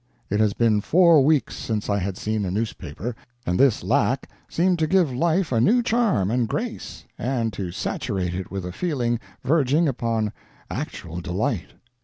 It had been four weeks since I had seen a newspaper, and this lack seemed to give life a new charm and grace, and to saturate it with a feeling verging upon actual delight.